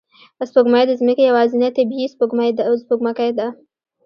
سپوږمۍ د ځمکې یوازینی طبیعي سپوږمکۍ ده